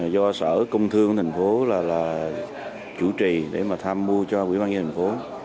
do sở công thương thành phố là chủ trì để mà tham mưu cho quỹ ban dân thành phố